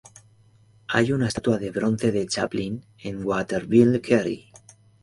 Hay una estatua de bronce de Chaplin en Waterville Kerry.